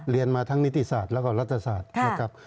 เรียนมาทั้งนิติศาสตร์แล้วก็รัฐศาสตร์นะครับ